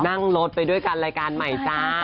นั่งรถไปด้วยกันรายการใหม่จ้า